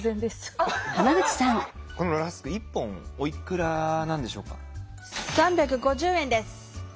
このラスク１本おいくらなんでしょうか？